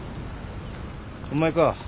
お前か。